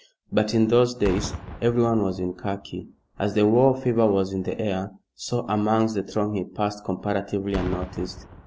But in those days everyone was in khaki, as the war fever was in the air, so amongst the throng he passed comparatively unnoticed.